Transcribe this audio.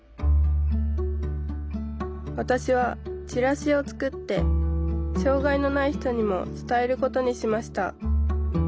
わたしはチラシを作って障害のない人にも伝えることにしました。